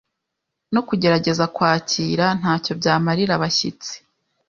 no kugerageza kwakira, ntacyo byamarira abashyitsi,